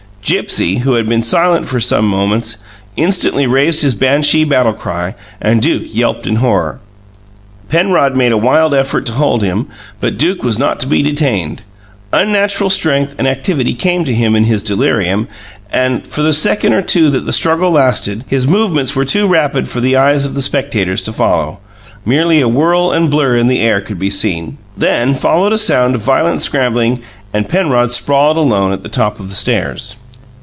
Gipsy, who had been silent for some moments, instantly raised his banshee battlecry, and Duke yelped in horror. Penrod made a wild effort to hold him; but Duke was not to be detained. Unnatural strength and activity came to him in his delirium, and, for the second or two that the struggle lasted, his movements were too rapid for the eyes of the spectators to follow merely a whirl and blur in the air could be seen. Then followed a sound of violent scrambling and Penrod sprawled alone at the top of the stairs.